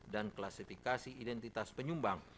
dan klasifikasi identitas penyumbang